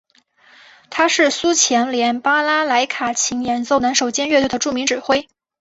他是前苏联巴拉莱卡琴演奏能手兼乐队的著名指挥。